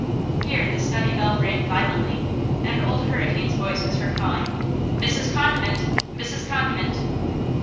Here the study bell rang violently and Old Hurricane's voice was heard calling, "Mrs. Condiment! Mrs. Condiment!"